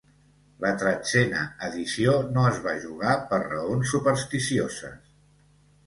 La tretzena edició no es va jugar per raons supersticioses.